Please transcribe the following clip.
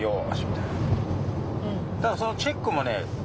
ただそのチェックもね